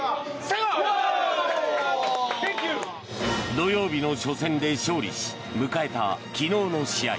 土曜日の初戦で勝利し迎えた昨日の試合。